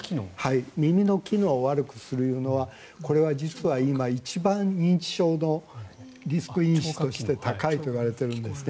耳の機能を悪くするのはこれは実は今、一番認知症のリスク因子として高いといわれているんですね。